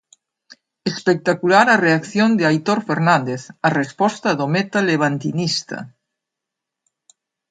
Espectacular a reacción de Aitor Fernández, a resposta do meta levantinista.